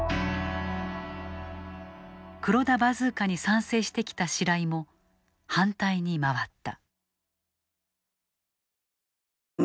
黒田バズーカに賛成してきた白井も、反対に回った。